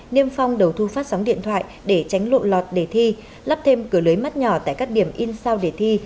niêm phong đầu thu phát sóng điện thoại để tránh lộ lọt đề thi lắp thêm cửa lưới mắt nhỏ tại các điểm in sao để thi